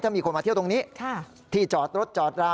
ถ้ามีคนมาเที่ยวตรงนี้ที่จอดรถจอดรา